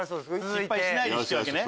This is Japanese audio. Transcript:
失敗しないで引き分けね。